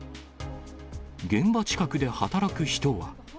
現場近くで働く人は。